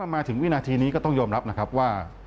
มาถึงวินาทีนี้ก็ต้องยอมรับนะครับว่า